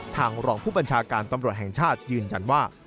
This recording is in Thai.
รองผู้บัญชาการตำรวจแห่งชาติยืนยันว่า